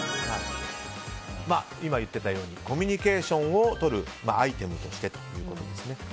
今、言っていたようにコミュニケーションをとるアイテムとしてということです。